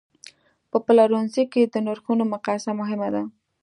په پلورنځي کې د نرخونو مقایسه مهمه ده.